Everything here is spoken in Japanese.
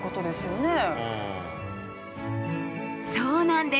そうなんです。